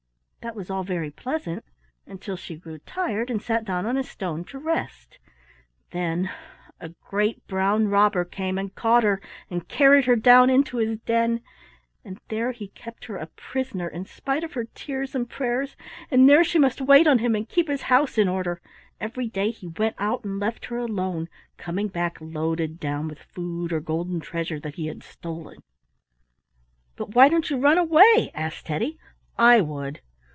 That was all very pleasant until she grew tired and sat down on a stone to rest. Then a great brown robber came and caught her and carried her down into his den, and there he kept her a prisoner in spite of her tears and prayers, and there she must wait on him and keep his house in order; every day he went out and left her along, coming back loaded down with food or golden treasure that he had stolen. "But why don't you run away?" asked Teddy. "I would."